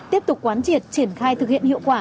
tiếp tục quán triệt triển khai thực hiện hiệu quả